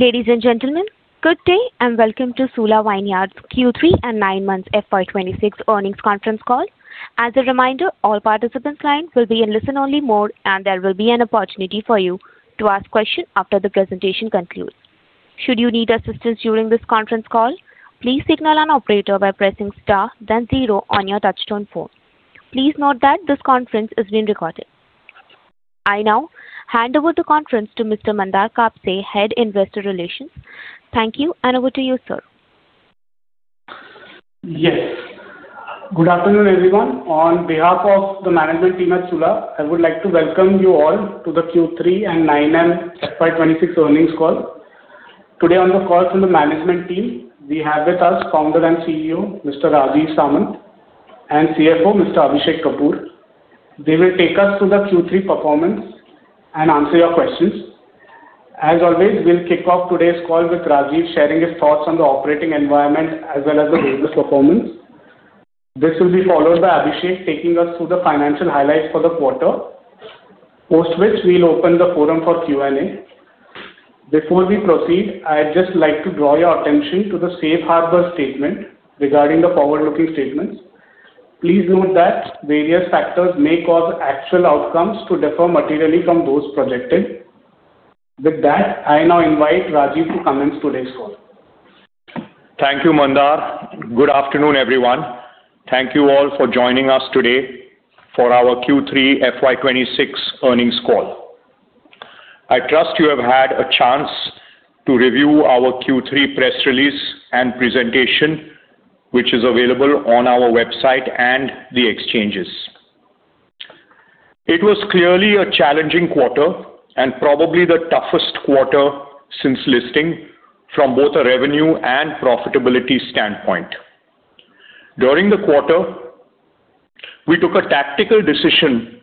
Ladies and gentlemen, good day and welcome to Sula Vineyards Q3 and 9 months FY26 Earnings Conference Call. As a reminder, all participants' lines will be in listen-only mode and there will be an opportunity for you to ask questions after the presentation concludes. Should you need assistance during this conference call, please signal an operator by pressing star, then zero on your touch-tone phone. Please note that this conference is being recorded. I now hand over the conference to Mr. Mandar Kapse, Head of Investor Relations. Thank you and over to you, sir. Yes. Good afternoon, everyone. On behalf of the management team at Sula, I would like to welcome you all to the Q3 and 9M FY26 earnings call. Today on the call from the management team, we have with us founder and CEO, Mr. Rajeev Samant, and CFO, Mr. Abhishek Kapoor. They will take us through the Q3 performance and answer your questions. As always, we'll kick off today's call with Rajeev sharing his thoughts on the operating environment as well as the way this performance is. This will be followed by Abhishek taking us through the financial highlights for the quarter, post which we'll open the forum for Q&A. Before we proceed, I'd just like to draw your attention to the Safe Harbor statement regarding the forward-looking statements. Please note that various factors may cause actual outcomes to differ materially from those projected. With that, I now invite Rajeev to commence today's call. Thank you, Mandar. Good afternoon, everyone. Thank you all for joining us today for our Q3 FY26 earnings call. I trust you have had a chance to review our Q3 press release and presentation, which is available on our website and the exchanges. It was clearly a challenging quarter and probably the toughest quarter since listing from both a revenue and profitability standpoint. During the quarter, we took a tactical decision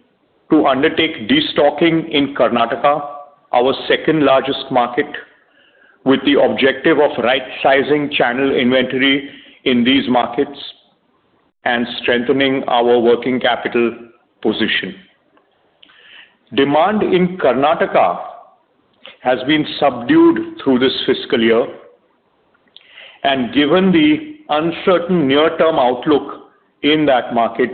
to undertake destocking in Karnataka, our second-largest market, with the objective of right-sizing channel inventory in these markets and strengthening our working capital position. Demand in Karnataka has been subdued through this fiscal year, and given the uncertain near-term outlook in that market,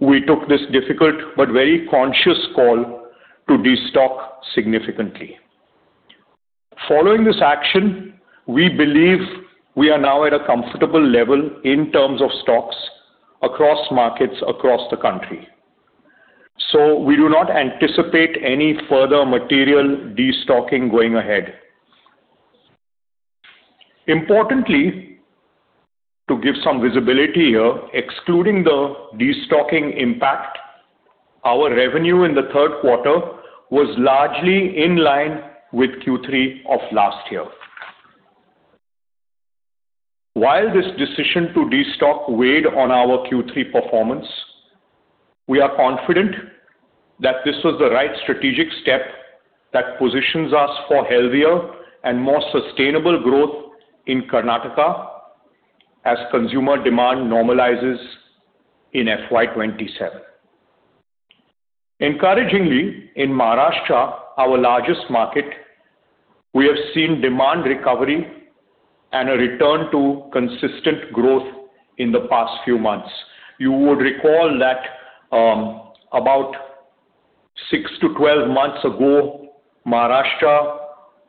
we took this difficult but very conscious call to destock significantly. Following this action, we believe we are now at a comfortable level in terms of stocks across markets across the country. So we do not anticipate any further material destocking going ahead. Importantly, to give some visibility here, excluding the destocking impact, our revenue in the third quarter was largely in line with Q3 of last year. While this decision to destock weighed on our Q3 performance, we are confident that this was the right strategic step that positions us for healthier and more sustainable growth in Karnataka as consumer demand normalizes in FY27. Encouragingly, in Maharashtra, our largest market, we have seen demand recovery and a return to consistent growth in the past few months. You would recall that about 6-12 months ago, Maharashtra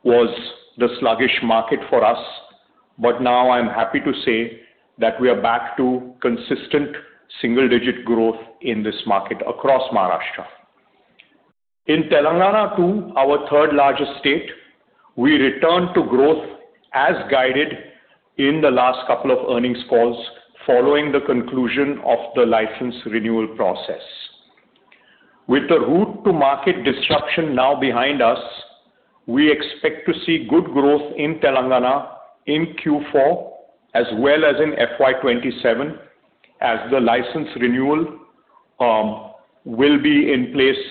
was the sluggish market for us, but now I'm happy to say that we are back to consistent single-digit growth in this market across Maharashtra. In Telangana too, our third-largest state, we returned to growth as guided in the last couple of earnings calls following the conclusion of the license renewal process. With the route to market disruption now behind us, we expect to see good growth in Telangana in Q4 as well as in FY2027, as the license renewal will be in place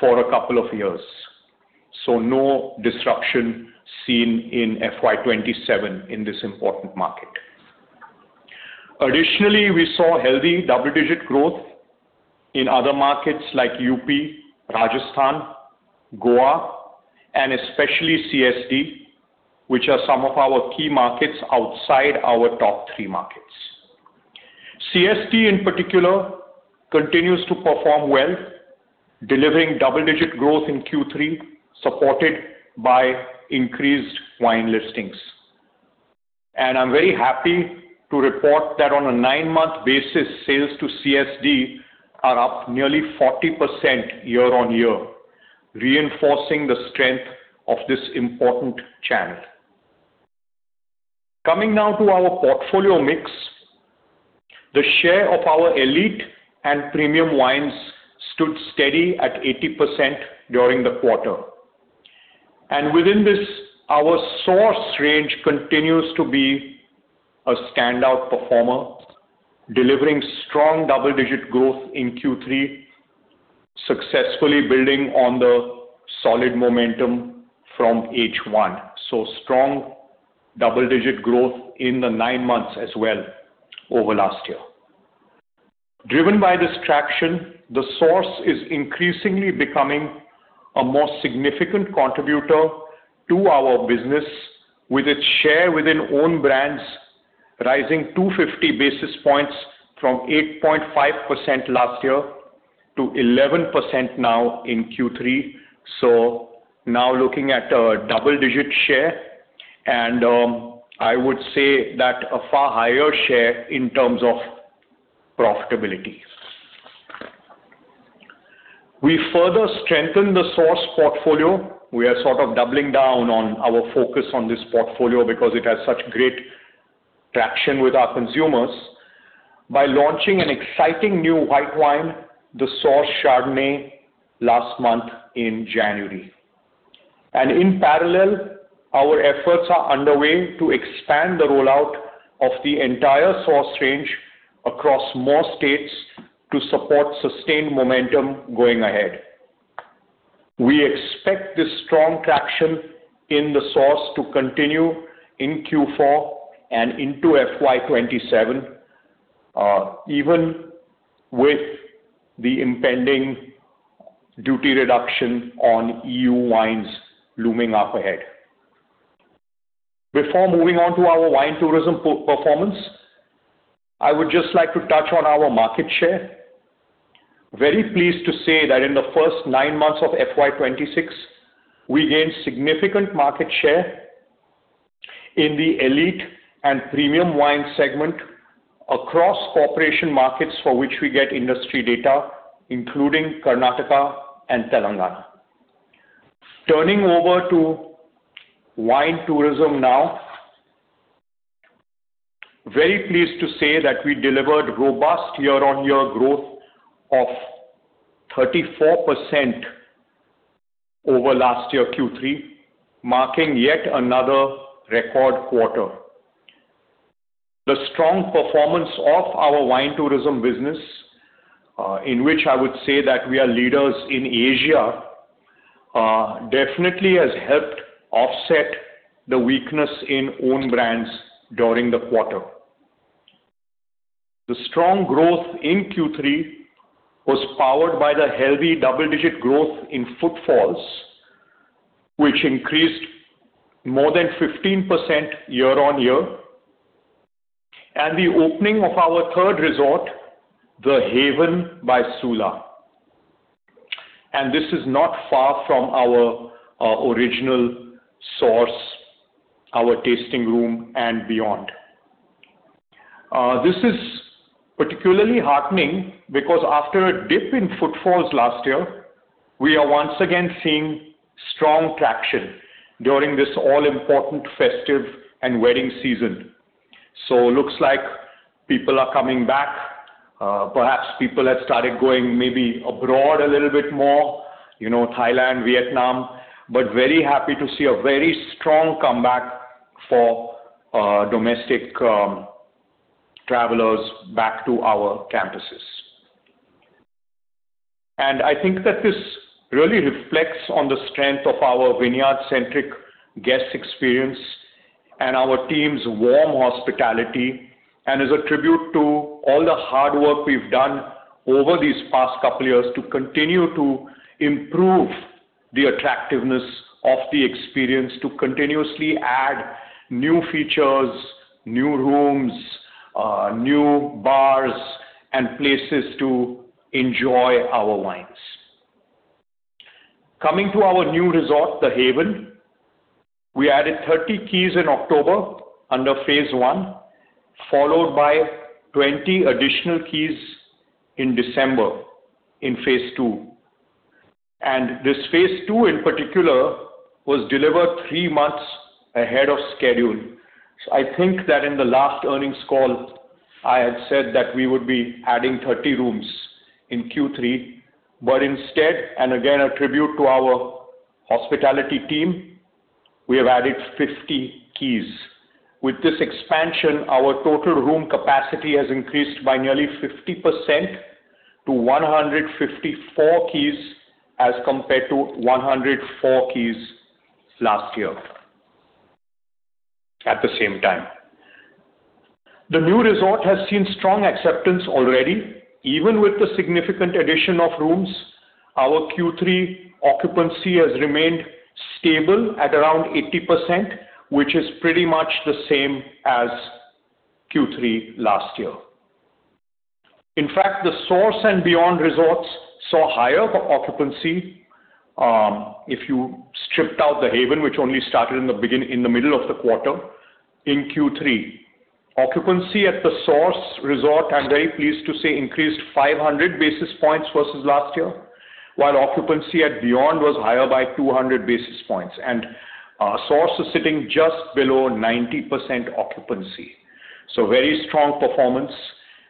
for a couple of years. No disruption seen in FY2027 in this important market. Additionally, we saw healthy double-digit growth in other markets like UP, Rajasthan, Goa, and especially CSD, which are some of our key markets outside our top three markets. CSD, in particular, continues to perform well, delivering double-digit growth in Q3 supported by increased wine listings. I'm very happy to report that on a nine-month basis, sales to CSD are up nearly 40% year-over-year, reinforcing the strength of this important channel. Coming now to our portfolio mix, the share of our elite and premium wines stood steady at 80% during the quarter. Within this, our Source range continues to be a standout performer, delivering strong double-digit growth in Q3, successfully building on the solid momentum from H1. Strong double-digit growth in the nine months as well over last year. Driven by this traction, the Source is increasingly becoming a more significant contributor to our business with its share within own brands rising 250 basis points from 8.5% last year to 11% now in Q3. Now looking at a double-digit share, and I would say that a far higher share in terms of profitability. We further strengthened the Source portfolio. We are sort of doubling down on our focus on this portfolio because it has such great traction with our consumers by launching an exciting new white wine, The Source Chardonnay, last month in January. In parallel, our efforts are underway to expand the rollout of the entire Source range across more states to support sustained momentum going ahead. We expect this strong traction in the Source to continue in Q4 and into FY27, even with the impending duty reduction on EU wines looming up ahead. Before moving on to our wine tourism performance, I would just like to touch on our market share. Very pleased to say that in the first nine months of FY26, we gained significant market share in the elite and premium wine segment across corporation markets for which we get industry data, including Karnataka and Telangana. Turning over to wine tourism now, very pleased to say that we delivered robust year-on-year growth of 34% over last year Q3, marking yet another record quarter. The strong performance of our wine tourism business, in which I would say that we are leaders in Asia, definitely has helped offset the weakness in own brands during the quarter. The strong growth in Q3 was powered by the healthy double-digit growth in footfalls, which increased more than 15% year-on-year, and the opening of our third resort, The Haven by Sula. This is not far from our original source, our tasting room, and beyond. This is particularly heartening because after a dip in footfalls last year, we are once again seeing strong traction during this all-important festive and wedding season. It looks like people are coming back. Perhaps people have started going maybe abroad a little bit more, to Thailand, Vietnam, but very happy to see a very strong comeback for domestic travelers back to our campuses. And I think that this really reflects on the strength of our vineyard-centric guest experience and our team's warm hospitality and is a tribute to all the hard work we've done over these past couple of years to continue to improve the attractiveness of the experience, to continuously add new features, new rooms, new bars, and places to enjoy our wines. Coming to our new resort, The Haven, we added 30 keys in October under phase one, followed by 20 additional keys in December in phase two. And this phase two, in particular, was delivered three months ahead of schedule. So I think that in the last earnings call, I had said that we would be adding 30 rooms in Q3, but instead, and again, a tribute to our hospitality team, we have added 50 keys. With this expansion, our total room capacity has increased by nearly 50% to 154 keys as compared to 104 keys last year at the same time. The new resort has seen strong acceptance already. Even with the significant addition of rooms, our Q3 occupancy has remained stable at around 80%, which is pretty much the same as Q3 last year. In fact, the Source and Beyond resorts saw higher occupancy. If you stripped out The Haven, which only started in the middle of the quarter, in Q3, occupancy at the Source resort, I'm very pleased to say, increased 500 basis points versus last year, while occupancy at Beyond was higher by 200 basis points. The Source is sitting just below 90% occupancy. Very strong performance.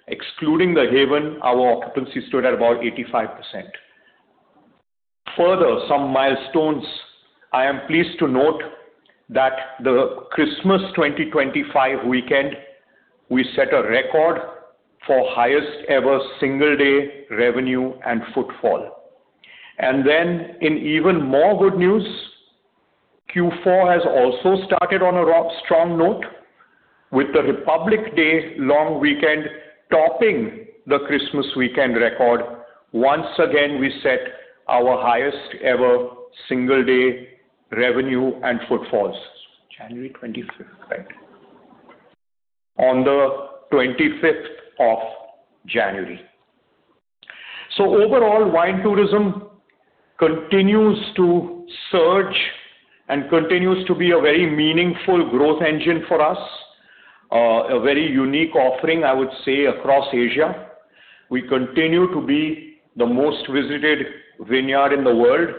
Excluding The Haven, our occupancy stood at about 85%. Further, some milestones, I am pleased to note that the Christmas 2025 weekend, we set a record for highest-ever single-day revenue and footfall. In even more good news, Q4 has also started on a strong note with the Republic Day long weekend topping the Christmas weekend record. Once again, we set our highest-ever single-day revenue and footfalls. January 25th, right? On the 25th of January. Overall, wine tourism continues to surge and continues to be a very meaningful growth engine for us, a very unique offering, I would say, across Asia. We continue to be the most visited vineyard in the world.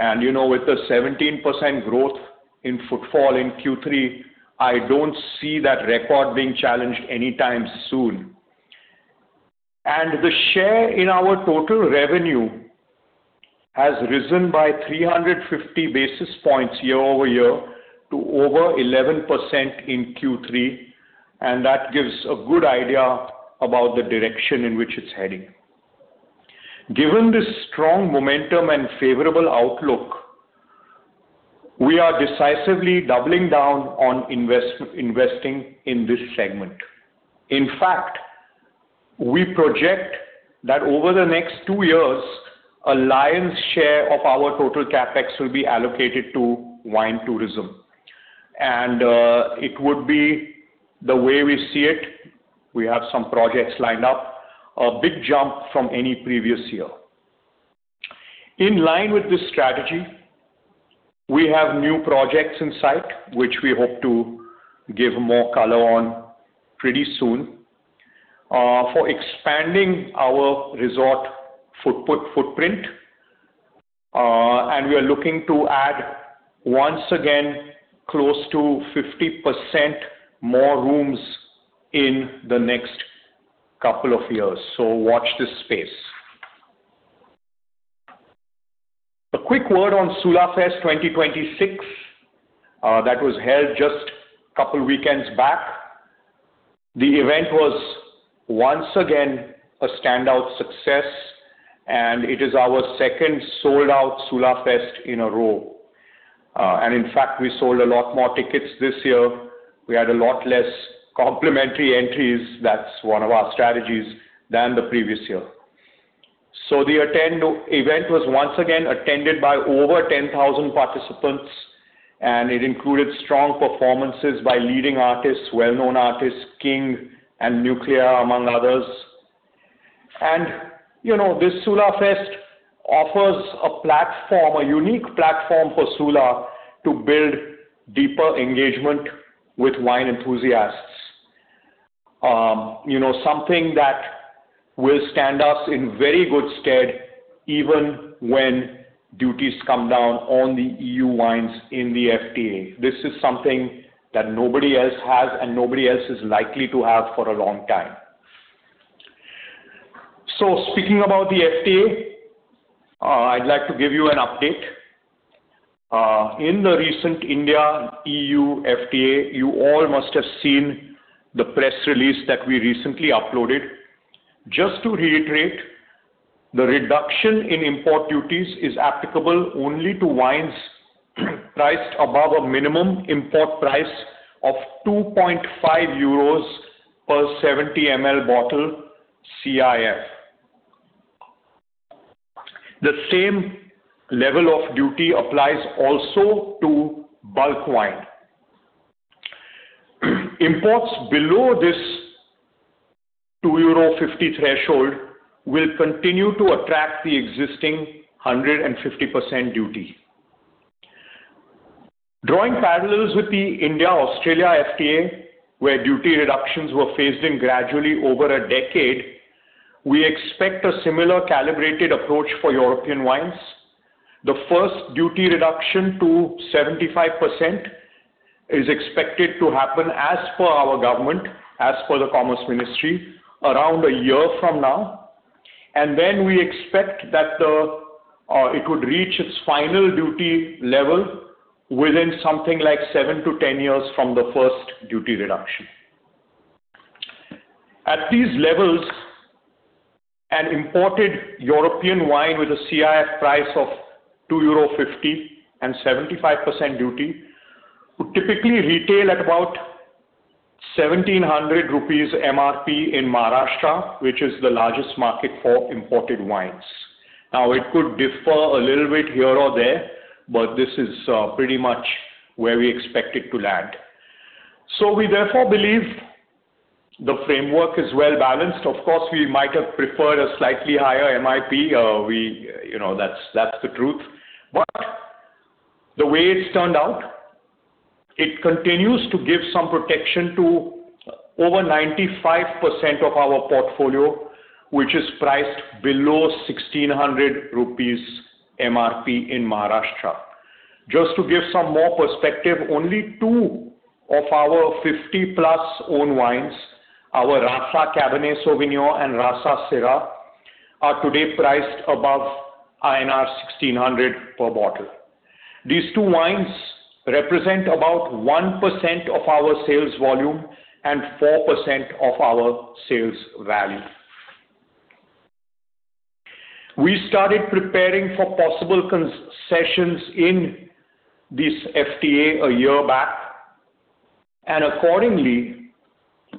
With the 17% growth in footfall in Q3, I don't see that record being challenged anytime soon. The share in our total revenue has risen by 350 basis points year-over-year to over 11% in Q3. That gives a good idea about the direction in which it's heading. Given this strong momentum and favorable outlook, we are decisively doubling down on investing in this segment. In fact, we project that over the next 2 years, a lion's share of our total CapEx will be allocated to wine tourism. It would be the way we see it. We have some projects lined up, a big jump from any previous year. In line with this strategy, we have new projects in sight, which we hope to give more color on pretty soon for expanding our resort footprint. We are looking to add, once again, close to 50% more rooms in the next couple of years. Watch this space. A quick word on SulaFest 2026 that was held just a couple of weekends back. The event was, once again, a standout success. It is our second sold-out SulaFest in a row. In fact, we sold a lot more tickets this year. We had a lot less complimentary entries. That's one of our strategies than the previous year. The event was, once again, attended by over 10,000 participants. It included strong performances by leading artists, well-known artists, King and Nucleya, among others. This SulaFest offers a platform, a unique platform for Sula to build deeper engagement with wine enthusiasts, something that will stand us in very good stead even when duties come down on the EU wines in the FTA. This is something that nobody else has and nobody else is likely to have for a long time. Speaking about the FTA, I'd like to give you an update. In the recent India-EU FTA, you all must have seen the press release that we recently uploaded. Just to reiterate, the reduction in import duties is applicable only to wines priced above a minimum import price of 2.5 euros per 70 ml bottle CIF. The same level of duty applies also to bulk wine. Imports below this 2.50 euro threshold will continue to attract the existing 150% duty. Drawing parallels with the India-Australia FTA, where duty reductions were phased in gradually over a decade, we expect a similar calibrated approach for European wines. The first duty reduction to 75% is expected to happen, as per our government, as per the Commerce Ministry, around a year from now. Then we expect that it would reach its final duty level within something like 7 years-10 years from the first duty reduction. At these levels, an imported European wine with a CIF price of 2.50 euro and 75% duty would typically retail at about 1,700 rupees MRP in Maharashtra, which is the largest market for imported wines. Now, it could differ a little bit here or there, but this is pretty much where we expect it to land. So we therefore believe the framework is well balanced. Of course, we might have preferred a slightly higher MRP. That's the truth. But the way it's turned out, it continues to give some protection to over 95% of our portfolio, which is priced below 1,600 rupees MRP in Maharashtra. Just to give some more perspective, only two of our 50+ own wines, our Rasa Cabernet Sauvignon and Rasa Syrah, are today priced above INR 1,600 per bottle. These two wines represent about 1% of our sales volume and 4% of our sales value. We started preparing for possible concessions in this FTA a year back. Accordingly,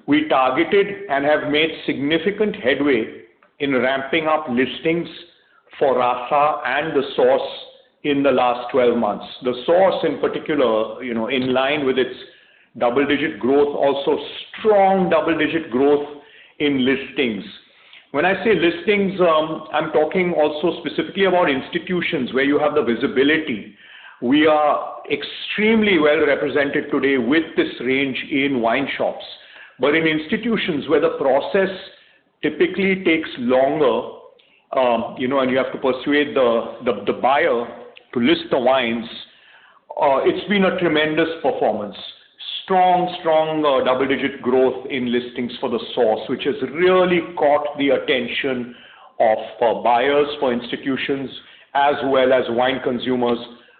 we targeted and have made significant headway in ramping up listings for Rasa and The Source in the last 12 months. The Source, in particular, in line with its double-digit growth, also strong double-digit growth in listings. When I say listings, I'm talking also specifically about institutions where you have the visibility. We are extremely well represented today with this range in wine shops. But in institutions where the process typically takes longer and you have to persuade the buyer to list the wines, it's been a tremendous performance, strong, strong double-digit growth in listings for The Source, which has really caught the attention of buyers for institutions as well as wine consumers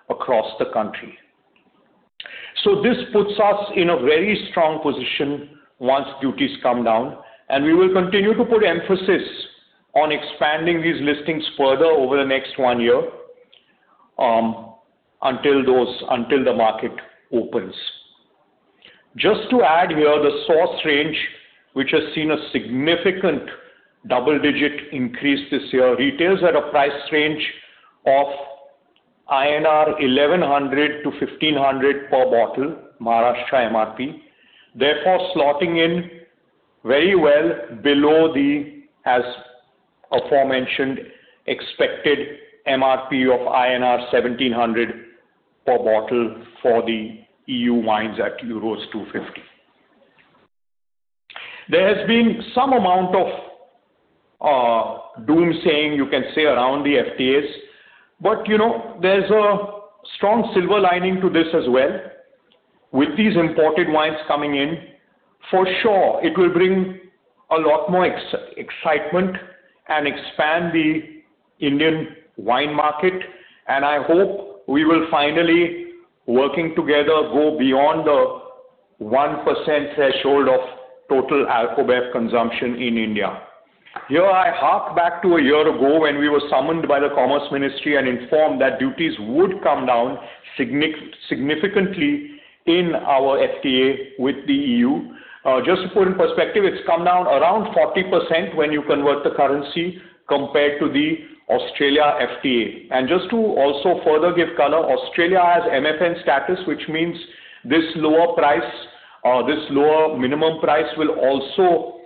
across the country. This puts us in a very strong position once duties come down. We will continue to put emphasis on expanding these listings further over the next 1 year until the market opens. Just to add here, The Source range, which has seen a significant double-digit increase this year, retails at a price range of 1,100-1,500 INR per bottle, Maharashtra MRP, therefore slotting in very well below the, as aforementioned, expected MRP of INR 1,700 per bottle for the EU wines at euros 2.50. There has been some amount of doomsaying, you can say, around the FTAs. But there's a strong silver lining to this as well. With these imported wines coming in, for sure, it will bring a lot more excitement and expand the Indian wine market. I hope we will finally, working together, go beyond the 1% threshold of total alcohol consumption in India. Here, I hark back to a year ago when we were summoned by the Commerce Ministry and informed that duties would come down significantly in our FTA with the EU. Just to put in perspective, it's come down around 40% when you convert the currency compared to the Australia FTA. And just to also further give color, Australia has MFN status, which means this lower price, this lower minimum price will also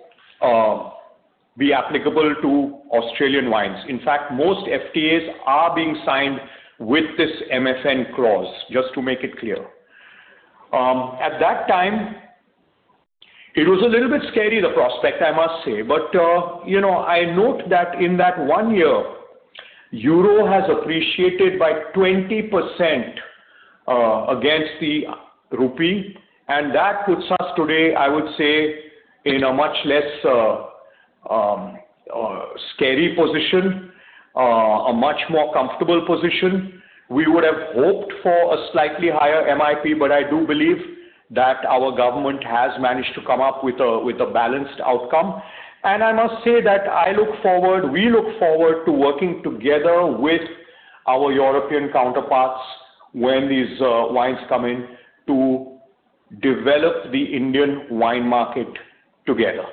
be applicable to Australian wines. In fact, most FTAs are being signed with this MFN clause, just to make it clear. At that time, it was a little bit scary, the prospect, I must say. But I note that in that one year, Euro has appreciated by 20% against the rupee. And that puts us today, I would say, in a much less scary position, a much more comfortable position. We would have hoped for a slightly higher MRP, but I do believe that our government has managed to come up with a balanced outcome. I must say that I look forward, we look forward to working together with our European counterparts when these wines come in to develop the Indian wine market together.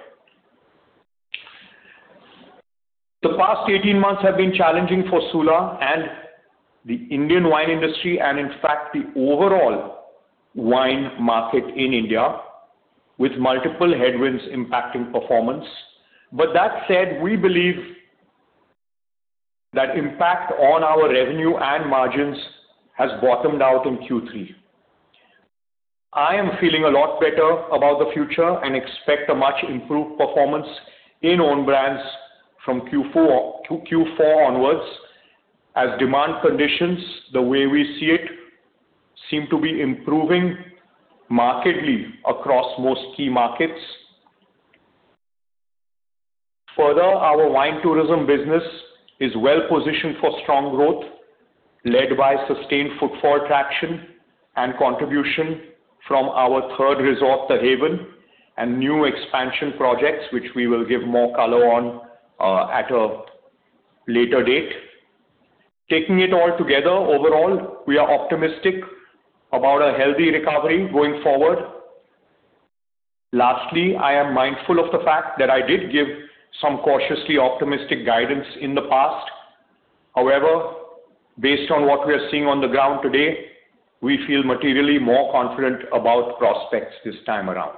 The past 18 months have been challenging for Sula and the Indian wine industry and, in fact, the overall wine market in India, with multiple headwinds impacting performance. That said, we believe that impact on our revenue and margins has bottomed out in Q3. I am feeling a lot better about the future and expect a much improved performance in own brands from Q4 onwards as demand conditions, the way we see it, seem to be improving markedly across most key markets. Further, our wine tourism business is well positioned for strong growth led by sustained footfall traction and contribution from our third resort, The Haven, and new expansion projects, which we will give more color on at a later date. Taking it all together, overall, we are optimistic about a healthy recovery going forward. Lastly, I am mindful of the fact that I did give some cautiously optimistic guidance in the past. However, based on what we are seeing on the ground today, we feel materially more confident about prospects this time around.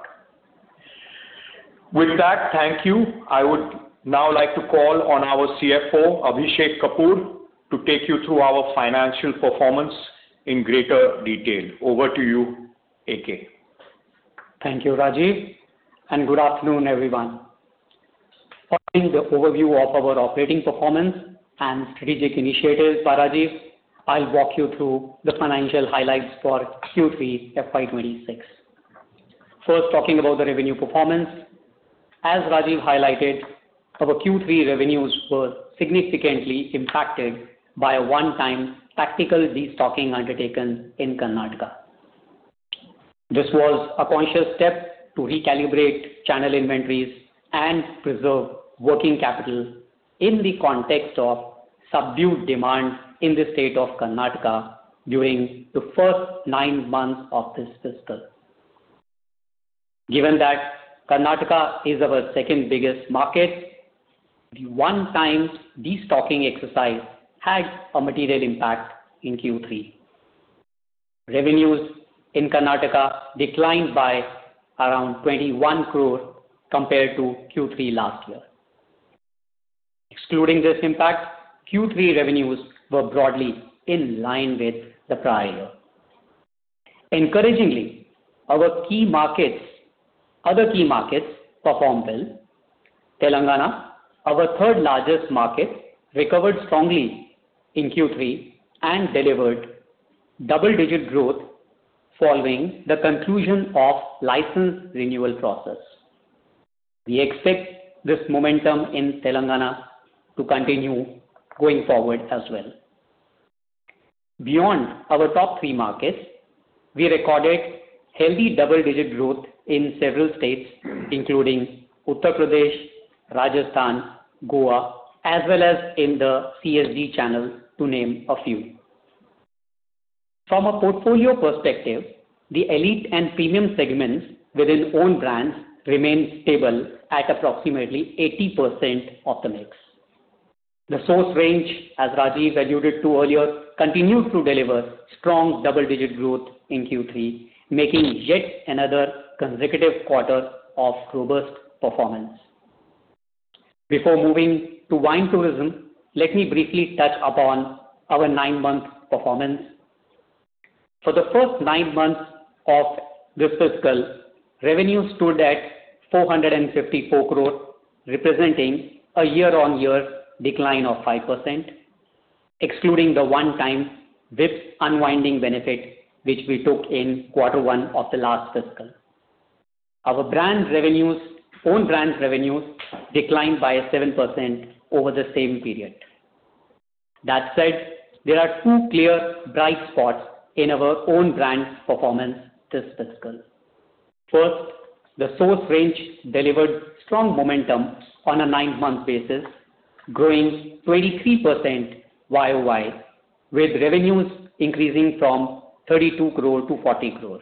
With that, thank you. I would now like to call on our CFO, Abhishek Kapoor, to take you through our financial performance in greater detail. Over to you, A.K. Thank you, Rajeev. Good afternoon, everyone. Following the overview of our operating performance and strategic initiatives, Rajeev, I'll walk you through the financial highlights for Q3 FY26. First, talking about the revenue performance. As Rajeev highlighted, our Q3 revenues were significantly impacted by a one-time tactical destocking undertaken in Karnataka. This was a conscious step to recalibrate channel inventories and preserve working capital in the context of subdued demand in the state of Karnataka during the first nine months of this fiscal. Given that Karnataka is our second biggest market, the one-time destocking exercise had a material impact in Q3. Revenues in Karnataka declined by around 21 crore compared to Q3 last year. Excluding this impact, Q3 revenues were broadly in line with the prior year. Encouragingly, our key markets, other key markets, performed well. Telangana, our third largest market, recovered strongly in Q3 and delivered double-digit growth following the conclusion of the license renewal process. We expect this momentum in Telangana to continue going forward as well. Beyond our top three markets, we recorded healthy double-digit growth in several states, including Uttar Pradesh, Rajasthan, Goa, as well as in the CSD channel, to name a few. From a portfolio perspective, the elite and premium segments within own brands remain stable at approximately 80% of the mix. The Source range, as Rajeev alluded to earlier, continued to deliver strong double-digit growth in Q3, making yet another consecutive quarter of robust performance. Before moving to wine tourism, let me briefly touch upon our nine-month performance. For the first nine months of this fiscal, revenues stood at 454 crore, representing a year-on-year decline of 5%, excluding the one-time WIPS unwinding benefit, which we took in quarter one of the last fiscal. Our own brands' revenues declined by 7% over the same period. That said, there are two clear, bright spots in our own brands' performance this fiscal. First, the Source range delivered strong momentum on a nine-month basis, growing 23% year-on-year, with revenues increasing from 32 crore to 40 crore.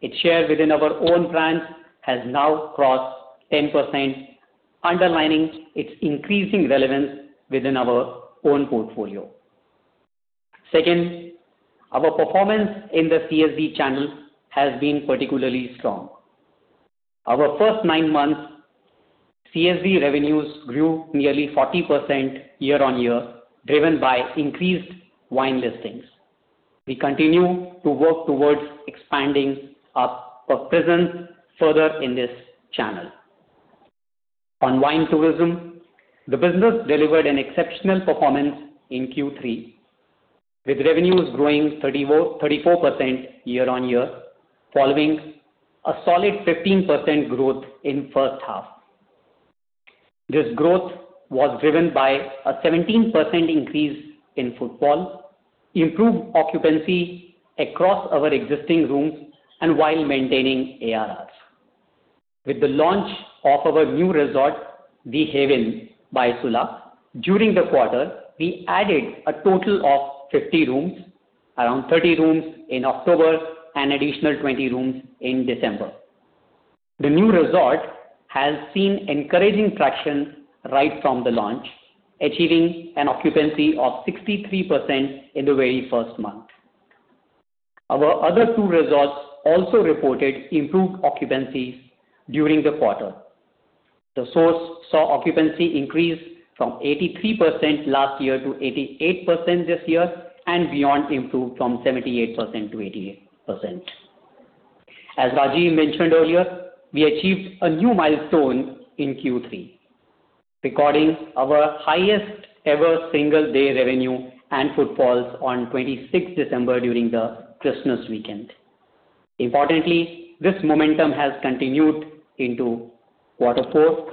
Its share within our own brands has now crossed 10%, underlining its increasing relevance within our own portfolio. Second, our performance in the CSD channel has been particularly strong. Our first nine months, CSD revenues grew nearly 40% year-on-year, driven by increased wine listings. We continue to work towards expanding our presence further in this channel. On wine tourism, the business delivered an exceptional performance in Q3, with revenues growing 34% year-on-year, following a solid 15% growth in the first half. This growth was driven by a 17% increase in footfall, improved occupancy across our existing rooms, and while maintaining ARRs. With the launch of our new resort, The Haven by Sula, during the quarter, we added a total of 50 rooms, around 30 rooms in October and an additional 20 rooms in December. The new resort has seen encouraging traction right from the launch, achieving an occupancy of 63% in the very first month. Our other two resorts also reported improved occupancies during the quarter. The Source saw occupancy increase from 83% last year to 88% this year, and Beyond, improved from 78%-88%. As Rajeev mentioned earlier, we achieved a new milestone in Q3, recording our highest-ever single-day revenue and bottles on 26 December during the Christmas weekend. Importantly, this momentum has continued into quarter four.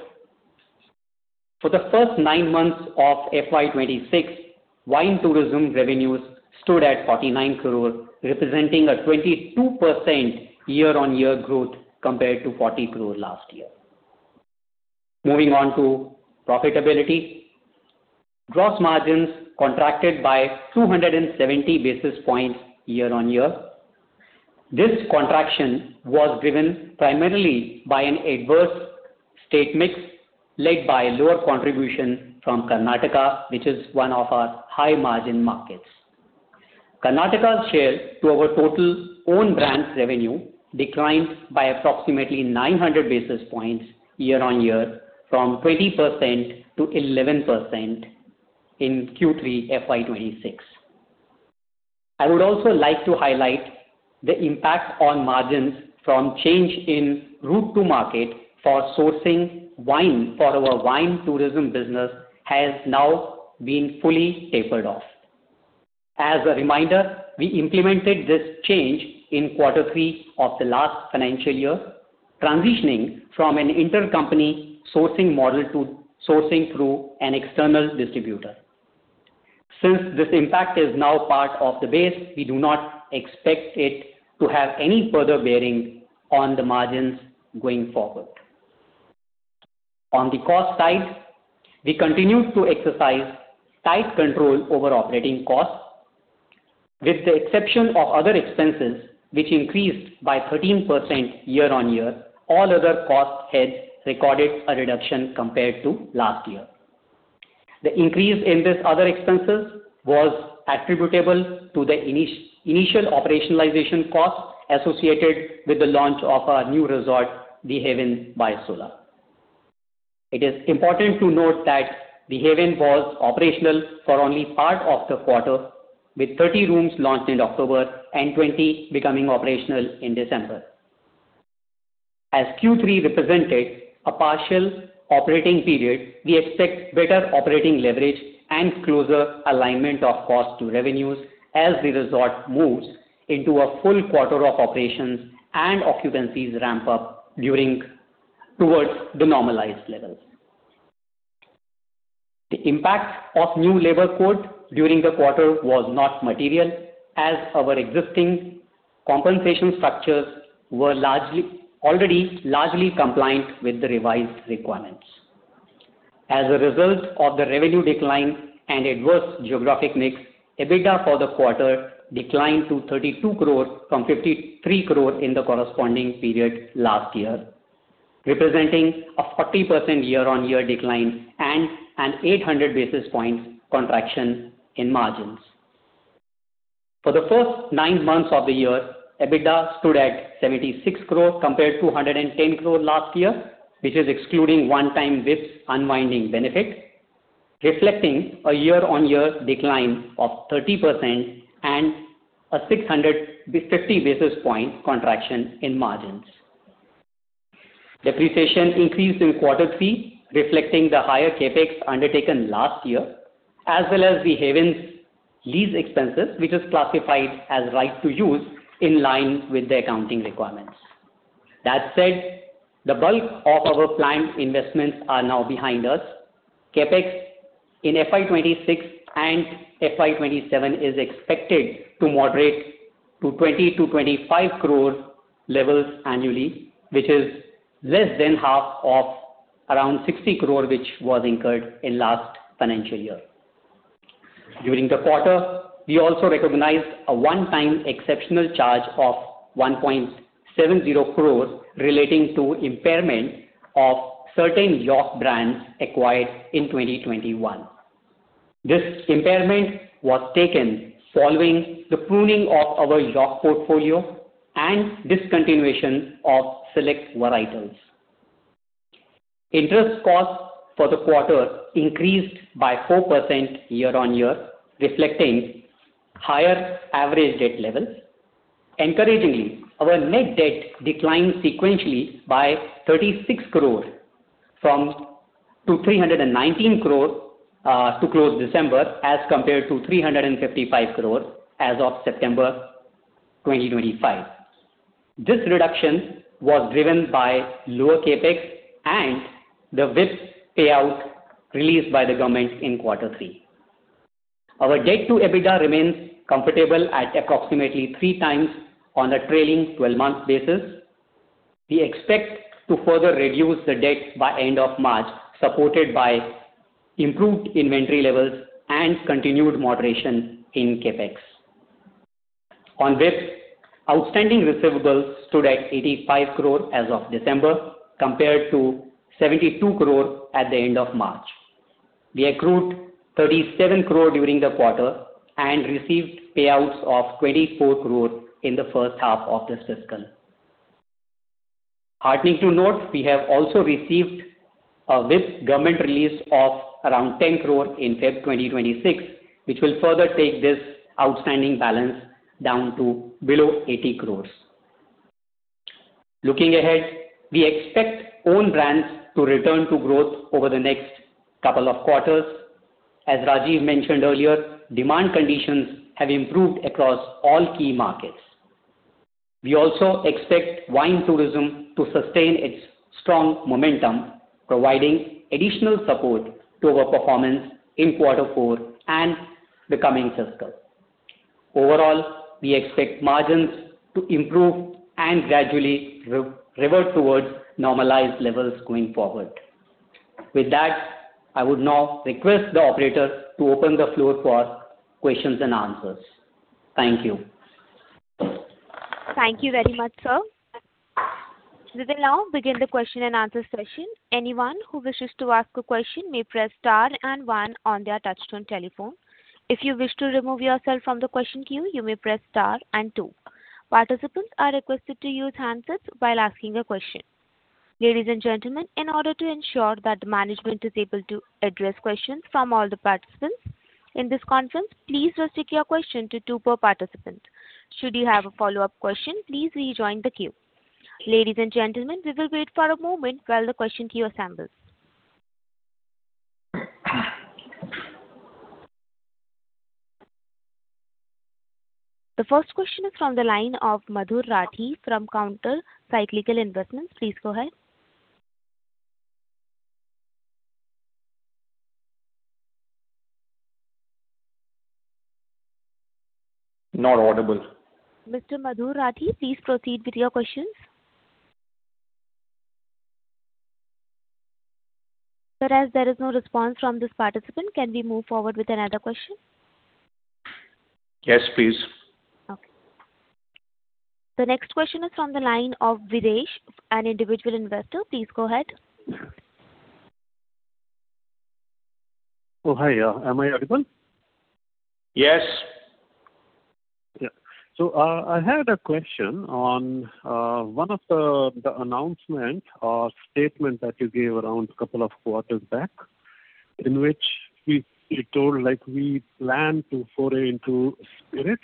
For the first nine months of FY26, wine tourism revenues stood at 49 crore, representing a 22% year-on-year growth compared to 40 crore last year. Moving on to profitability, gross margins contracted by 270 basis points year-on-year. This contraction was driven primarily by an adverse state mix led by lower contribution from Karnataka, which is one of our high-margin markets. Karnataka's share to our total own brands' revenue declined by approximately 900 basis points year-on-year, from 20%-11% in Q3 FY26. I would also like to highlight the impact on margins from change in route-to-market for sourcing wine for our wine tourism business has now been fully tapered off. As a reminder, we implemented this change in quarter three of the last financial year, transitioning from an intercompany sourcing model to sourcing through an external distributor. Since this impact is now part of the base, we do not expect it to have any further bearing on the margins going forward. On the cost side, we continued to exercise tight control over operating costs. With the exception of other expenses, which increased by 13% year-on-year, all other cost heads recorded a reduction compared to last year. The increase in these other expenses was attributable to the initial operationalization costs associated with the launch of our new resort, The Haven by Sula. It is important to note that The Haven by Sula was operational for only part of the quarter, with 30 rooms launched in October and 20 becoming operational in December. As Q3 represented a partial operating period, we expect better operating leverage and closer alignment of costs to revenues as the resort moves into a full quarter of operations and occupancies ramp up towards the normalized levels. The impact of new labor codes during the quarter was not material, as our existing compensation structures were already largely compliant with the revised requirements. As a result of the revenue decline and adverse geographic mix, EBITDA for the quarter declined to 32 crore from 53 crore in the corresponding period last year, representing a 40% year-on-year decline and an 800 basis points contraction in margins. For the first nine months of the year, EBITDA stood at 76 crore compared to 110 crore last year, which is excluding one-time WIPS unwinding benefit, reflecting a year-on-year decline of 30% and a 650 basis points contraction in margins. Depreciation increased in quarter three, reflecting the higher Capex undertaken last year, as well as The Haven's lease expenses, which is classified as right-of-use in line with the accounting requirements. That said, the bulk of our planned investments are now behind us. Capex in FY26 and FY27 is expected to moderate to 20-25 crore levels annually, which is less than half of around 60 crore which was incurred in the last financial year. During the quarter, we also recognized a one-time exceptional charge of 1.70 crore relating to impairment of certain yacht brands acquired in 2021. This impairment was taken following the pruning of our yacht portfolio and discontinuation of select varietals. Interest costs for the quarter increased by 4% year-on-year, reflecting higher average debt levels. Encouragingly, our net debt declined sequentially by 36 crore from 319 crore to close December as compared to 355 crore as of September 2025. This reduction was driven by lower Capex and the WIPS payout released by the government in quarter three. Our debt to EBITDA remains comfortable at approximately three times on a trailing 12-month basis. We expect to further reduce the debt by the end of March, supported by improved inventory levels and continued moderation in Capex. On WIPS, outstanding receivables stood at 85 crore as of December compared to 72 crore at the end of March. We accrued 37 crore during the quarter and received payouts of 24 crore in the first half of this fiscal. Heartening to note, we have also received a WIPS government release of around 10 crore in February 2026, which will further take this outstanding balance down to below 80 crore. Looking ahead, we expect own brands to return to growth over the next couple of quarters. As Rajeev mentioned earlier, demand conditions have improved across all key markets. We also expect wine tourism to sustain its strong momentum, providing additional support to our performance in quarter four and the coming fiscal. Overall, we expect margins to improve and gradually revert towards normalized levels going forward. With that, I would now request the operator to open the floor for questions and answers. Thank you. Thank you very much, sir. We will now begin the question and answer session. Anyone who wishes to ask a question may press star and one on their touch-tone telephone. If you wish to remove yourself from the question queue, you may press star and two. Participants are requested to use handsets while asking a question. Ladies and gentlemen, in order to ensure that the management is able to address questions from all the participants in this conference, please restrict your question to two per participant. Should you have a follow-up question, please rejoin the queue. Ladies and gentlemen, we will wait for a moment while the question queue assembles. The first question is from the line of Madhur Rathi from Counter Cyclical Investments. Please go ahead. Not audible. Mr. Madhur Rathi, please proceed with your questions. Sir, as there is no response from this participant, can we move forward with another question? Yes, please. Okay. The next question is from the line of Vitesh, an individual investor. Please go ahead. Oh, hi. Am I audible? Yes. Yeah. So I had a question on one of the announcements or statements that you gave around a couple of quarters back, in which you told we plan to foray into spirits.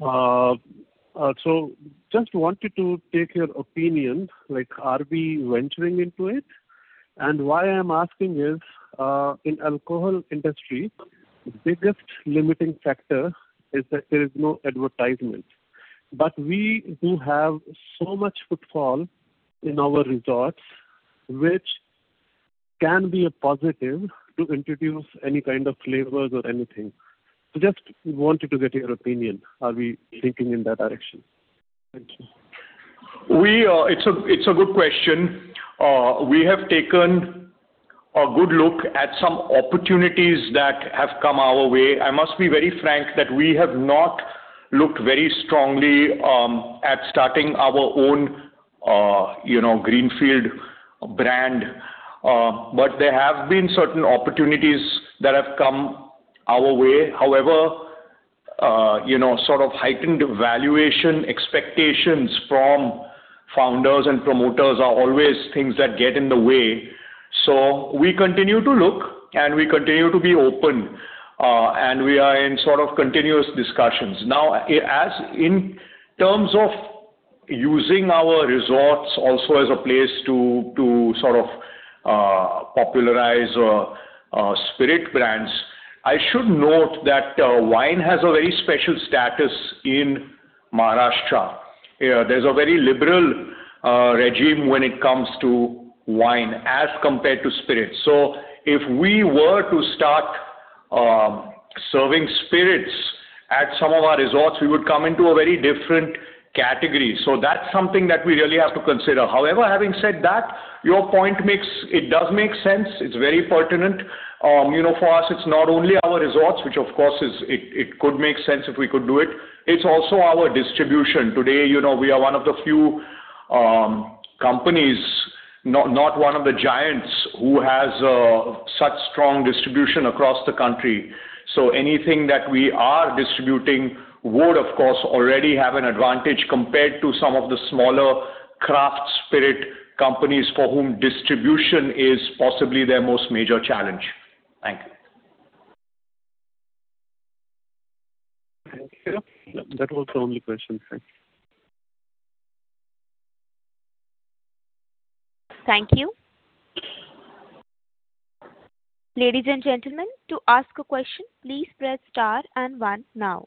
So just wanted to take your opinion. Are we venturing into it? And why I'm asking is, in the alcohol industry, the biggest limiting factor is that there is no advertisement. But we do have so much footfall in our resorts, which can be a positive to introduce any kind of flavors or anything. So just wanted to get your opinion. Are we thinking in that direction? It's a good question. We have taken a good look at some opportunities that have come our way. I must be very frank that we have not looked very strongly at starting our own greenfield brand. But there have been certain opportunities that have come our way. However, sort of heightened valuation expectations from founders and promoters are always things that get in the way. So we continue to look, and we continue to be open, and we are in sort of continuous discussions. Now, in terms of using our resorts also as a place to sort of popularize spirit brands, I should note that wine has a very special status in Maharashtra. There's a very liberal regime when it comes to wine as compared to spirits. So if we were to start serving spirits at some of our resorts, we would come into a very different category. So that's something that we really have to consider. However, having said that, your point makes sense. It's very pertinent. For us, it's not only our resorts, which, of course, it could make sense if we could do it. It's also our distribution. Today, we are one of the few companies, not one of the giants, who has such strong distribution across the country. So anything that we are distributing would, of course, already have an advantage compared to some of the smaller craft spirit companies for whom distribution is possibly their most major challenge. Thank you. Thank you. That was the only question. Thanks. Thank you. Ladies and gentlemen, to ask a question, please press star and one now.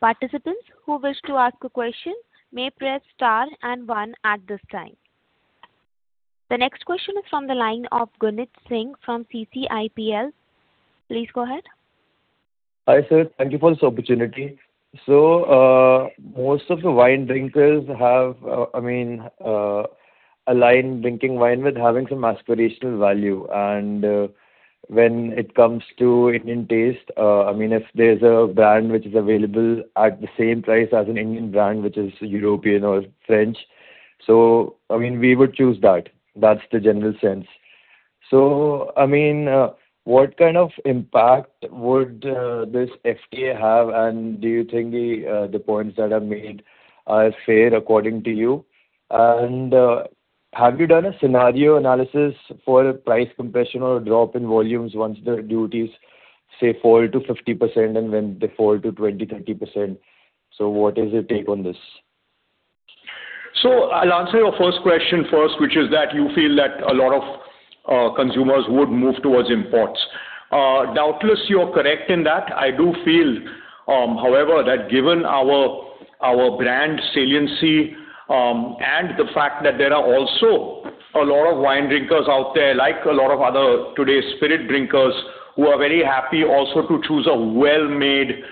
Participants who wish to ask a question may press star and one at this time. The next question is from the line of Gunit Singh from CCIPL. Please go ahead. Hi, sir. Thank you for this opportunity. So most of the wine drinkers have, I mean, align drinking wine with having some aspirational value. And when it comes to Indian taste, I mean, if there's a brand which is available at the same price as an Indian brand which is European or French, so, I mean, we would choose that. That's the general sense. So, I mean, what kind of impact would this FTA have, and do you think the points that are made are fair according to you? And have you done a scenario analysis for price compression or a drop in volumes once the duties, say, fall to 50% and then they fall to 20%-30%? So what is your take on this? So I'll answer your first question first, which is that you feel that a lot of consumers would move towards imports. Doubtless, you're correct in that. I do feel, however, that given our brand saliency and the fact that there are also a lot of wine drinkers out there, like a lot of other today's spirit drinkers, who are very happy also to choose a well-made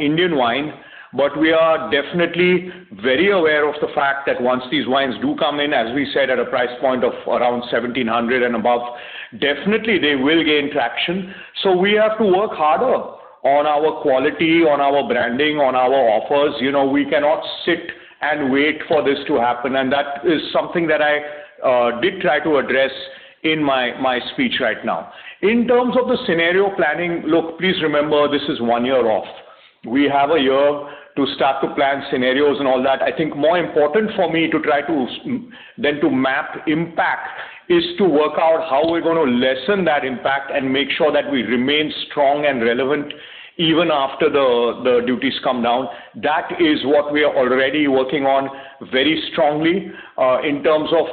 Indian wine. But we are definitely very aware of the fact that once these wines do come in, as we said, at a price point of around 1,700 and above, definitely, they will gain traction. So we have to work harder on our quality, on our branding, on our offers. We cannot sit and wait for this to happen. And that is something that I did try to address in my speech right now. In terms of the scenario planning, look, please remember this is one year off. We have a year to start to plan scenarios and all that. I think more important for me to try than to map impact is to work out how we're going to lessen that impact and make sure that we remain strong and relevant even after the duties come down. That is what we are already working on very strongly in terms of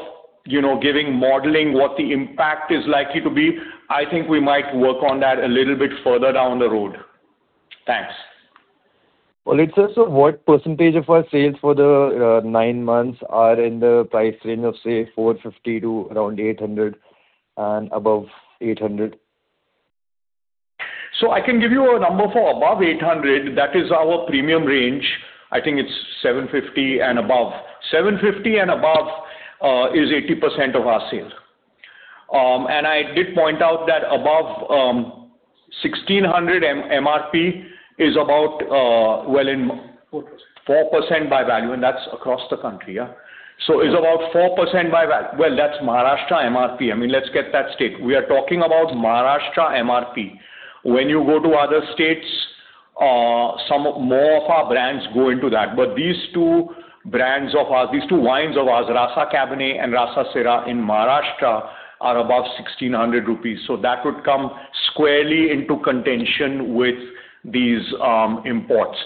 giving modeling what the impact is likely to be. I think we might work on that a little bit further down the road. Thanks. Well, it says what percentage of our sales for the nine months are in the price range of, say, 450 to around 800 and above 800? So I can give you a number for above 800. That is our premium range. I think it's 750 and above. 750 and above is 80% of our sale. And I did point out that above 1,600 MRP is about, well, it's 4% by value. And that's across the country. So it's about 4% by value. Well, that's Maharashtra MRP. I mean, let's get that straight. We are talking about Maharashtra MRP. When you go to other states, more of our brands go into that. But these two brands of ours, these two wines of ours, Rasa Cabernet and Rasa Syrah in Maharashtra, are above 1,600 rupees. So that would come squarely into contention with these imports.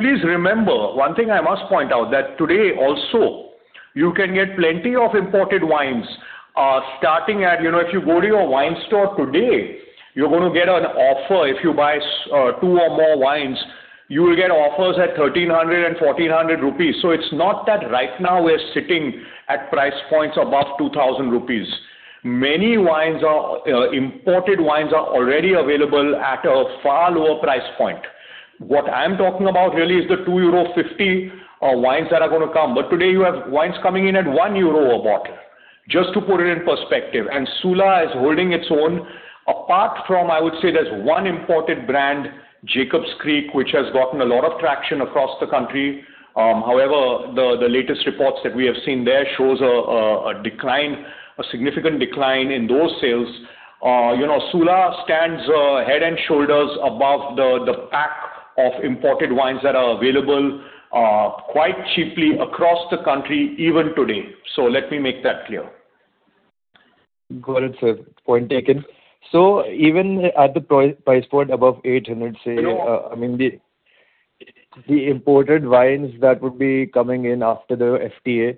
Please remember, one thing I must point out, that today also, you can get plenty of imported wines starting at if you go to your wine store today, you're going to get an offer. If you buy two or more wines, you will get offers at 1,300 and 1,400 rupees. So it's not that right now we're sitting at price points above 2,000 rupees. Many imported wines are already available at a far lower price point. What I'm talking about really is the 2.50 euro wines that are going to come. But today, you have wines coming in at 1 euro a bottle, just to put it in perspective. And Sula is holding its own. Apart from, I would say, there's one imported brand, Jacob’s Creek, which has gotten a lot of traction across the country. However, the latest reports that we have seen there show a significant decline in those sales. Sula stands head and shoulders above the pack of imported wines that are available quite cheaply across the country even today. So let me make that clear. Got it, sir. Point taken. So even at the price point above 800, say, I mean, the imported wines that would be coming in after the FTA,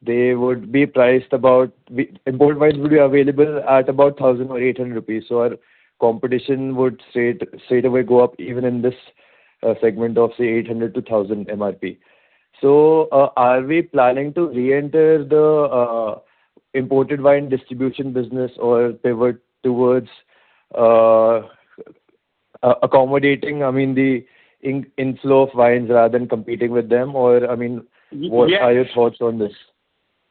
they would be priced about imported wines would be available at about 1,000 rupees or 800 rupees. So our competition would straight away go up even in this segment of, say, 800-1,000 MRP. So are we planning to reenter the imported wine distribution business or pivot towards accommodating, I mean, the inflow of wines rather than competing with them? Or, I mean, what are your thoughts on this?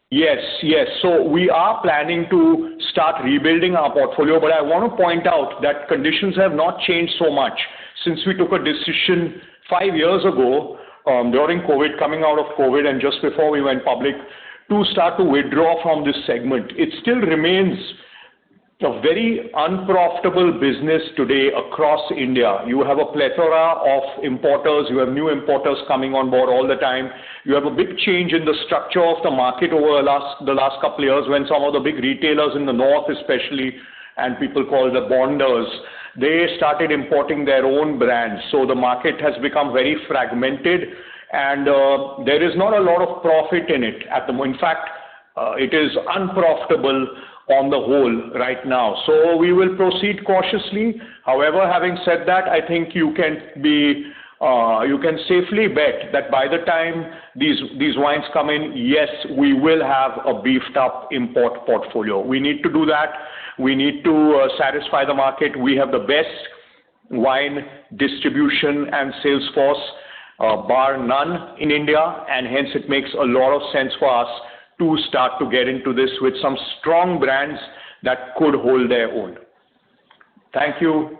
Yes, yes. So we are planning to start rebuilding our portfolio. But I want to point out that conditions have not changed so much since we took a decision five years ago during COVID, coming out of COVID, and just before we went public to start to withdraw from this segment. It still remains a very unprofitable business today across India. You have a plethora of importers. You have new importers coming on board all the time. You have a big change in the structure of the market over the last couple of years when some of the big retailers in the north, especially, and people call the bonders, they started importing their own brands. So the market has become very fragmented, and there is not a lot of profit in it at the moment. In fact, it is unprofitable on the whole right now. So we will proceed cautiously. However, having said that, I think you can safely bet that by the time these wines come in, yes, we will have a beefed-up import portfolio. We need to do that. We need to satisfy the market. We have the best wine distribution and sales force, bar none, in India. And hence, it makes a lot of sense for us to start to get into this with some strong brands that could hold their own. Thank you.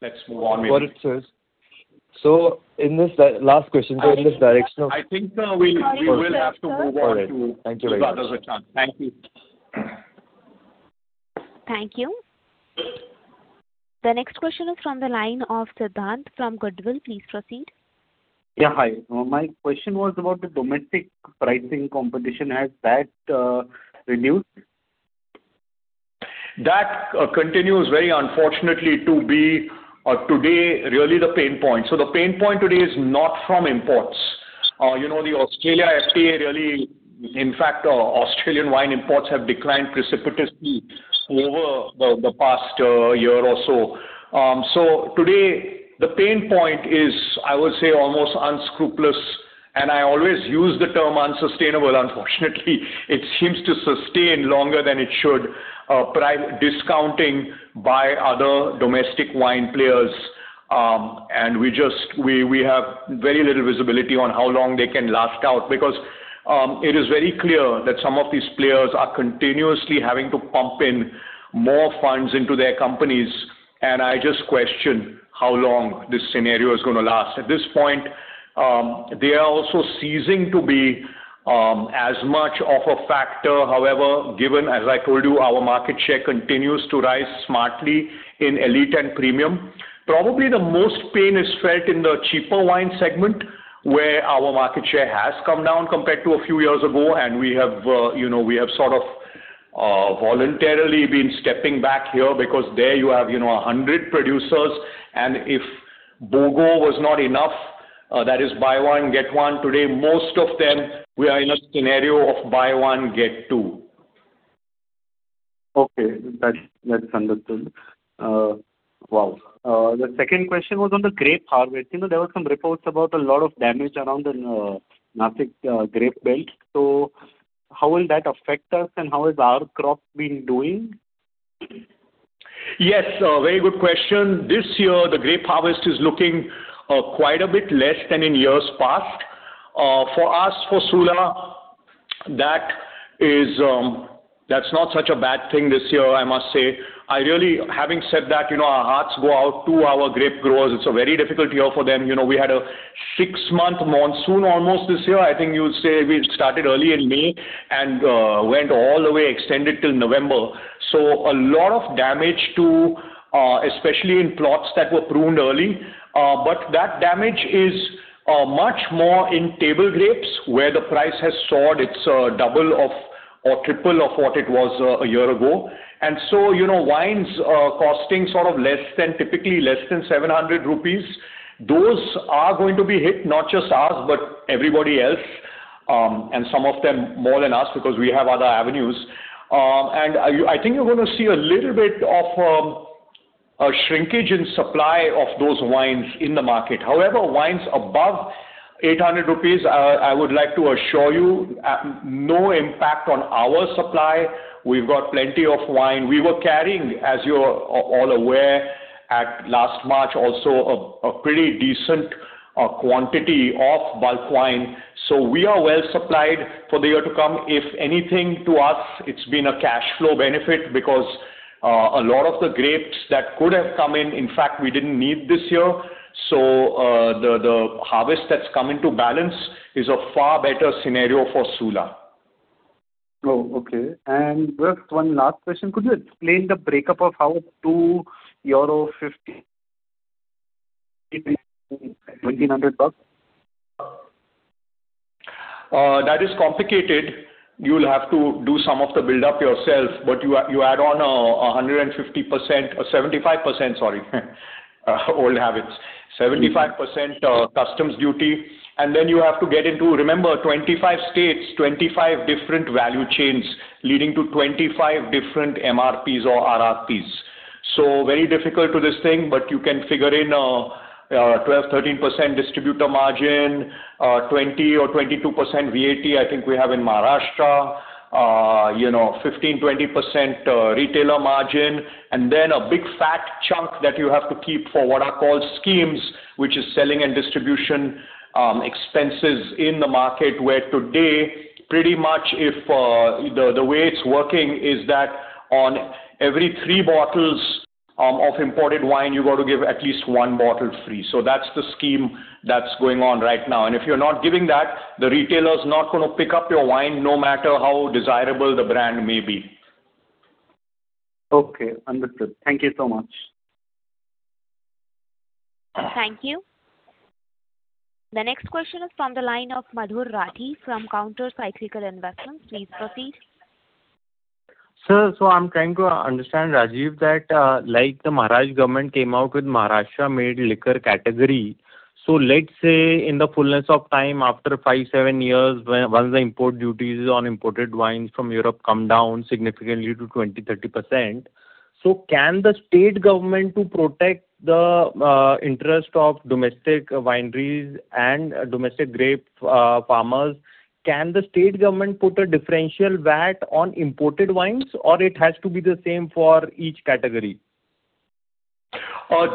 Let's move on. What it says. So in this last question, so in this direction of. I think we will have to move on to. Thank you very much. Give others a chance. Thank you. Thank you. The next question is from the line of Siddhant from Goodwill. Please proceed. Yeah, hi. My question was about the domestic pricing competition. Has that reduced? That continues, very unfortunately, to be today really the pain point. So the pain point today is not from imports. The Australia FTA really, in fact, Australian wine imports have declined precipitously over the past year or so. So today, the pain point is, I would say, almost unscrupulous. And I always use the term unsustainable. Unfortunately, it seems to sustain longer than it should, discounting by other domestic wine players. And we have very little visibility on how long they can last out because it is very clear that some of these players are continuously having to pump in more funds into their companies. And I just question how long this scenario is going to last. At this point, they are also ceasing to be as much of a factor. However, given as I told you, our market share continues to rise smartly in elite and premium, probably the most pain is felt in the cheaper wine segment where our market share has come down compared to a few years ago. And we have sort of voluntarily been stepping back here because there you have 100 producers. And if BOGO was not enough, that is, buy one, get one. Today, most of them, we are in a scenario of buy one, get two. Okay. That's understood. Wow. The second question was on the grape harvest. There were some reports about a lot of damage around the Nashik grape belt. So how will that affect us, and how is our crop being doing? Yes, very good question. This year, the grape harvest is looking quite a bit less than in years past. For us, for Sula, that's not such a bad thing this year, I must say. Having said that, our hearts go out to our grape growers. It's a very difficult year for them. We had a six-month monsoon almost this year. I think you'd say we started early in May and went all the way, extended till November. So a lot of damage, especially in plots that were pruned early. But that damage is much more in table grapes where the price has soared. It's double or triple of what it was a year ago. And so wines costing sort of typically less than 700 rupees, those are going to be hit, not just us, but everybody else, and some of them more than us because we have other avenues. I think you're going to see a little bit of a shrinkage in supply of those wines in the market. However, wines above 800 rupees, I would like to assure you, no impact on our supply. We've got plenty of wine. We were carrying, as you're all aware, at last March, also a pretty decent quantity of bulk wine. So we are well supplied for the year to come. If anything, to us, it's been a cash flow benefit because a lot of the grapes that could have come in, in fact, we didn't need this year. So the harvest that's come into balance is a far better scenario for Sula. Oh, okay. Just one last question. Could you explain the breakup of how EUR 2.50 to INR 1,900 bucks? That is complicated. You'll have to do some of the buildup yourself. But you add on a 75%, sorry, old habits, 75% customs duty. And then you have to get into, remember, 25 states, 25 different value chains leading to 25 different MRPs or RRPs. So very difficult to this thing. But you can figure in a 12%-13% distributor margin, 20% or 22% VAT, I think we have in Maharashtra, 15%-20% retailer margin, and then a big fat chunk that you have to keep for what are called schemes, which is selling and distribution expenses in the market where today, pretty much, the way it's working is that on every 3 bottles of imported wine, you got to give at least 1 bottle free. So that's the scheme that's going on right now. If you're not giving that, the retailer's not going to pick up your wine, no matter how desirable the brand may be. Okay. Understood. Thank you so much. Thank you. The next question is from the line of Madhur Rathi from Counter Cyclical Investments. Please proceed. Sir, so I'm trying to understand, Rajeev, that the Maharashtra government came out with Maharashtra Made Liquor category. So let's say, in the fullness of time, after 5 years-7 years, once the import duties on imported wines from Europe come down significantly to 20%-30%, so can the state government, to protect the interests of domestic wineries and domestic grape farmers, can the state government put a differential VAT on imported wines, or it has to be the same for each category?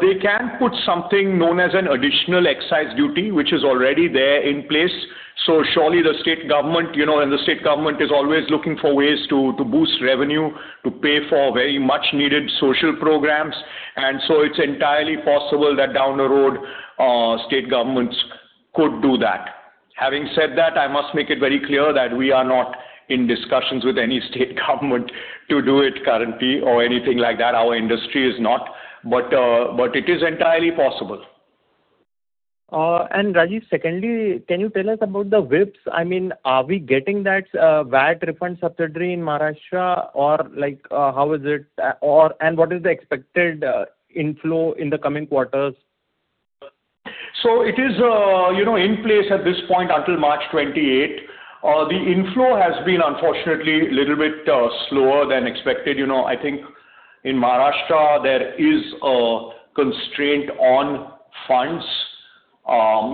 They can put something known as an additional excise duty, which is already there in place. So surely, the state government and the state government is always looking for ways to boost revenue, to pay for very much-needed social programs. And so it's entirely possible that down the road, state governments could do that. Having said that, I must make it very clear that we are not in discussions with any state government to do it currently or anything like that. Our industry is not. But it is entirely possible. Rajeev, secondly, can you tell us about the WIPS? I mean, are we getting that VAT refund subsidy in Maharashtra, or how is it? And what is the expected inflow in the coming quarters? So it is in place at this point until March 28th. The inflow has been, unfortunately, a little bit slower than expected. I think in Maharashtra, there is a constraint on funds.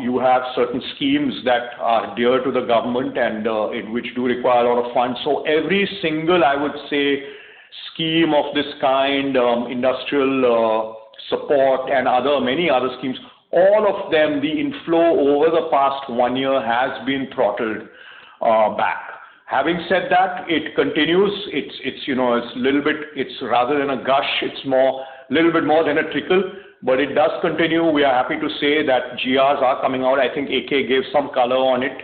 You have certain schemes that are dear to the government and which do require a lot of funds. So every single, I would say, scheme of this kind, industrial support, and many other schemes, all of them, the inflow over the past one year has been throttled back. Having said that, it continues. It's a little bit rather than a gush, it's a little bit more than a trickle. But it does continue. We are happy to say that GRs are coming out. I think AK gave some color on it.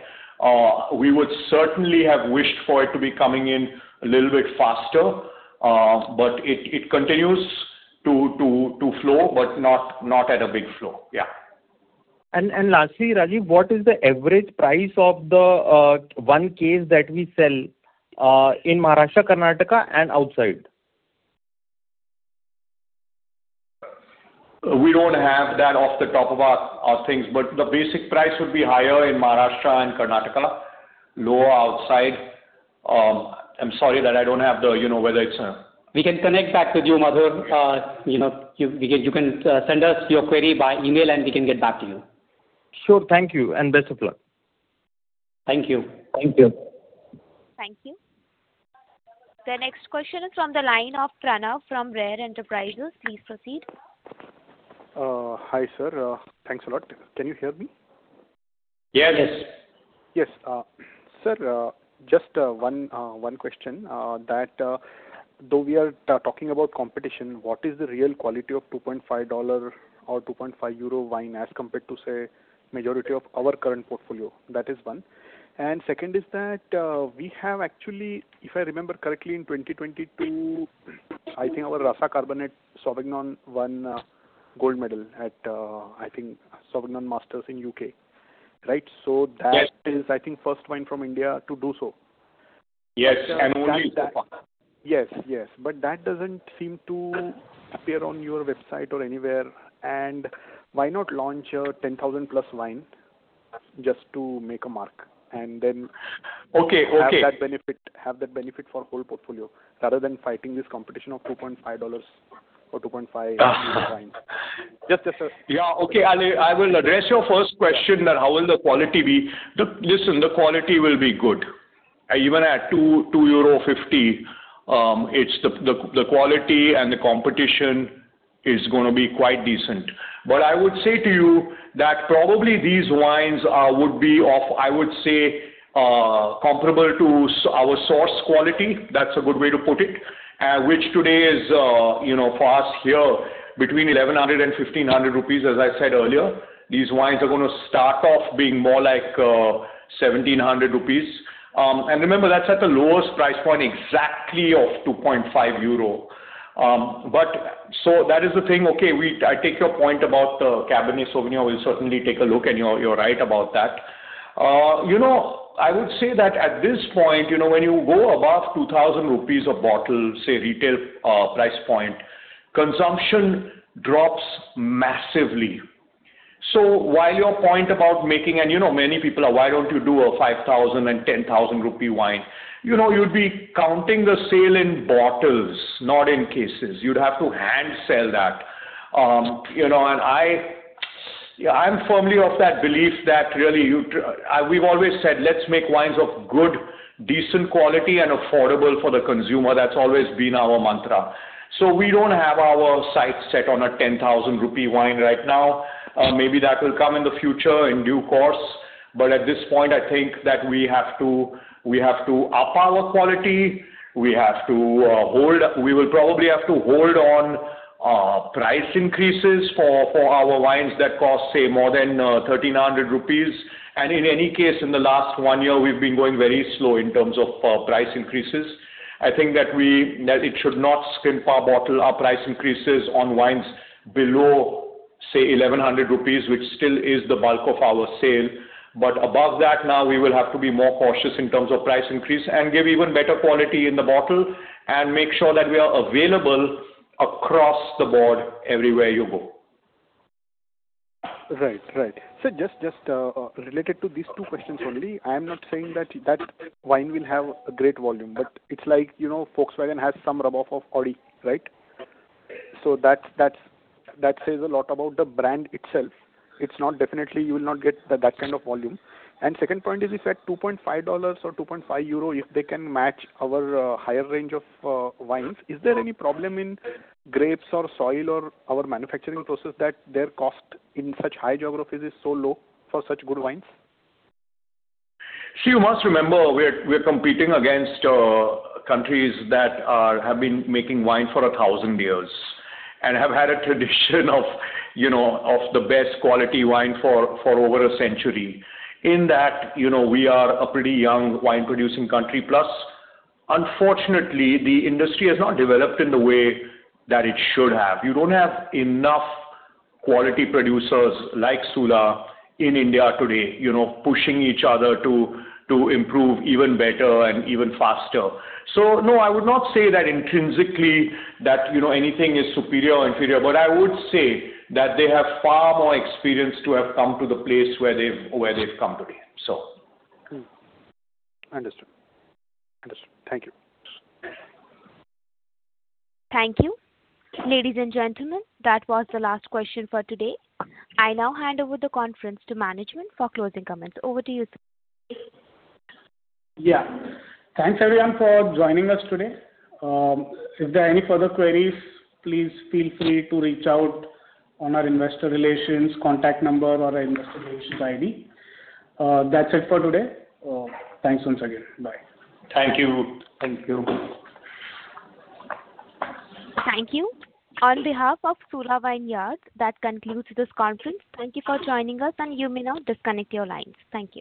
We would certainly have wished for it to be coming in a little bit faster. But it continues to flow, but not at a big flow. Yeah. Lastly, Rajeev, what is the average price of the one case that we sell in Maharashtra, Karnataka, and outside? We don't have that off the top of our heads. But the basic price would be higher in Maharashtra and Karnataka, lower outside. I'm sorry that I don't have the whether it's a. We can connect back with you, Madhur. You can send us your query by email, and we can get back to you. Sure. Thank you. And best of luck. Thank you. Thank you. Thank you. The next question is from the line of Pranav from Rare Enterprises. Please proceed. Hi, sir. Thanks a lot. Can you hear me? Yes. Yes. Sir, just one question. Though we are talking about competition, what is the real quality of $2.5 or 2.5 euro wine as compared to, say, the majority of our current portfolio? That is one. And second is that we have actually, if I remember correctly, in 2022, I think our Rasa Cabernet Sauvignon won gold medal at, I think, Sauvignon Masters in UK, right? So that is, I think, the first wine from India to do so. Yes. And only so far. Yes, yes. But that doesn't seem to appear on your website or anywhere. Why not launch a 10,000+ wine just to make a mark and then have that benefit for the whole portfolio rather than fighting this competition of $2.5 or $2.5 wine? Just a second. Yeah. Okay. I will address your first question that how will the quality be? Listen, the quality will be good. Even at 2.50 euro, the quality and the competition is going to be quite decent. But I would say to you that probably these wines would be, I would say, comparable to our Source quality. That's a good way to put it, which today, for us here, between 1,100 and 1,500 rupees, as I said earlier, these wines are going to start off being more like 1,700 rupees. And remember, that's at the lowest price point exactly of 2.5 euro. So that is the thing. Okay, I take your point about the Cabernet Sauvignon. We'll certainly take a look. And you're right about that. I would say that at this point, when you go above 2,000 rupees a bottle, say, retail price point, consumption drops massively. So while your point about making and many people are, "Why don't you do a 5,000 and 10,000 rupee wine?" you'd be counting the sale in bottles, not in cases. You'd have to hand-sell that. And I'm firmly of that belief that really, we've always said, "Let's make wines of good, decent quality, and affordable for the consumer." That's always been our mantra. So we don't have our sights set on a 10,000 rupee wine right now. Maybe that will come in the future, in due course. But at this point, I think that we have to up our quality. We will probably have to hold on price increases for our wines that cost, say, more than 1,300 rupees. And in any case, in the last one year, we've been going very slow in terms of price increases. I think that it should not skimp our bottle, our price increases, on wines below, say, 1,100 rupees, which still is the bulk of our sale. But above that, now, we will have to be more cautious in terms of price increase and give even better quality in the bottle and make sure that we are available across the board everywhere you go. Right, right. So just related to these two questions only, I am not saying that that wine will have a great volume. But it's like Volkswagen has some rub-off of Audi, right? So that says a lot about the brand itself. You will not get that kind of volume. And second point is, if at $2.5 or 2.5 euro, if they can match our higher range of wines, is there any problem in grapes or soil or our manufacturing process that their cost in such high geographies is so low for such good wines? See, you must remember, we are competing against countries that have been making wine for 1,000 years and have had a tradition of the best quality wine for over a century. In that, we are a pretty young wine-producing country. Plus, unfortunately, the industry has not developed in the way that it should have. You don't have enough quality producers like Sula in India today pushing each other to improve even better and even faster. So no, I would not say that intrinsically that anything is superior or inferior. But I would say that they have far more experience to have come to the place where they've come today, so. Understood. Understood. Thank you. Thank you. Ladies and gentlemen, that was the last question for today. I now hand over the conference to management for closing comments. Over to you, Mandar Kapse. Yeah. Thanks, everyone, for joining us today. If there are any further queries, please feel free to reach out on our investor relations contact number or our investor relations ID. That's it for today. Thanks once again. Bye. Thank you. Thank you. Thank you. On behalf of Sula Vineyards, that concludes this conference. Thank you for joining us. You may now disconnect your lines. Thank you.